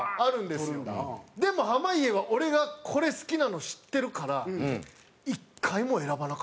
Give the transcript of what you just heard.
でも濱家は俺がこれ好きなのを知ってるから。